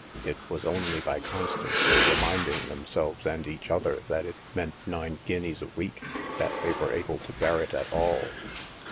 It was only by constantly reminding themselves and each other that it meant nine guineas a week that they were able to bear it at all.